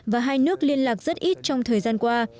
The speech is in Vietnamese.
và hai nước liên lạc rất ít trong thời gian qua